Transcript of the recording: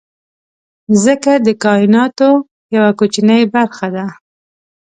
مځکه د کایناتو یوه کوچنۍ برخه ده.